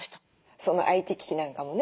そのＩＴ機器なんかもね